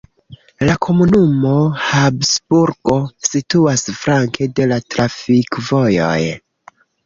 La komunumo Habsburgo situas flanke de la trafikvojoj.